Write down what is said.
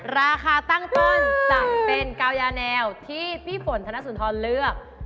ราคาตั้งต้นถามเป็น๙ยาแนวที่พี่ฝนท้านะสุนทรเลือก